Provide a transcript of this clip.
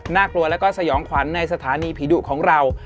กลัวแล้วก็สยองขวัญในสถานีผีดุของเรา